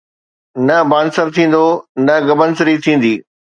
نه بانسر ٿيندو، نه گبنسري ٿيندي